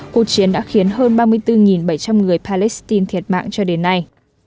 cuộc chiến đã khiến hơn ba mươi bốn bảy trăm linh người palestine thiệt mạng cho đến nay